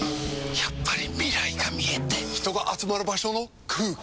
やっぱり未来が見えて人が集まる場所の空気！